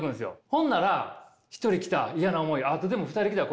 ほんなら１人来た嫌な思い。